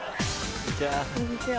こんにちは。